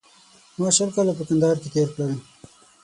ما شل کاله په کندهار کې تېر کړل